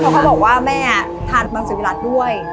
เพราะเขาบอกว่าแม่ทานมังสวิรัติด้วย